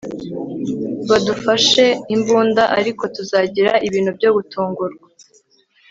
badufashe imbunda, ariko tuzagira ibintu byo gutungurwa